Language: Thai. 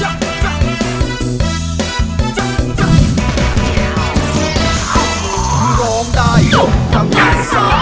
ไหวผู้เศร้ายุ่งใหม่